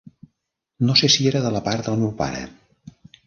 No sé si era de la part del meu pare.